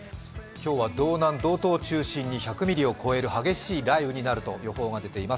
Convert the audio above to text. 今日は道東・道南を中心に１００ミリを超える激しい雷雨になると予報が出ています。